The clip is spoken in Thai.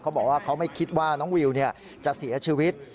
เขาบอกว่าเขาไม่คิดว่าน้องวิวจะเสียชีวิต